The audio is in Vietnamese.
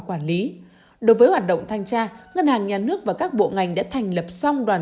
quản lý đối với hoạt động thanh tra ngân hàng nhà nước và các bộ ngành đã thành lập xong đoàn